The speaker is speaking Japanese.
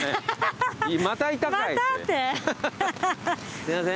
すいません